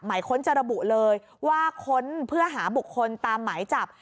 ค้นจะระบุเลยว่าค้นเพื่อหาบุคคลตามหมายจับ